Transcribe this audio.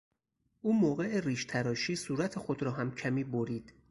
او موقع ریش تراشی صورت خود را کمی برید.